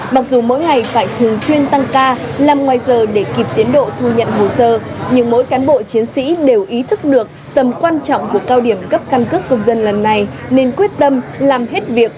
mặc dù mỗi ngày phải thường xuyên tăng ca làm ngoài giờ để kịp tiến độ thu nhận hồ sơ nhưng mỗi cán bộ chiến sĩ đều ý thức được tầm quan trọng của cao điểm cấp căn cước công dân lần này nên quyết tâm làm hết việc